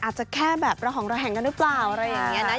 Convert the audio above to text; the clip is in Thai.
อาจจะแค่แบบระห่องระแหงกันหรือเปล่าอะไรอย่างนี้นะ